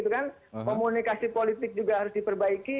komunikasi politik juga harus diperbaiki